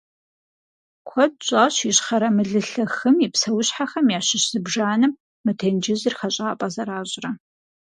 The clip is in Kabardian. Куэд щӀащ Ищхъэрэ Мылылъэ хым и псэущхьэхэм ящыщ зыбжанэм мы тенджызыр хэщӀапӀэ зэращӀрэ.